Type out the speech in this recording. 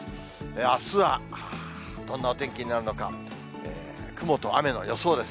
あすはどんなお天気になるのか、雲と雨の予想です。